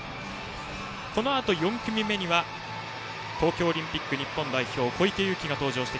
このあと４組目には東京オリンピック日本代表の小池祐貴が登場。